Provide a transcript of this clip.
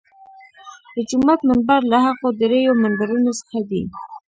د جومات منبر له هغو درېیو منبرونو څخه دی.